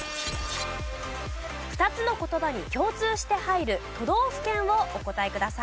２つの言葉に共通して入る都道府県をお答えください。